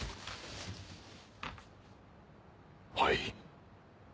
はい。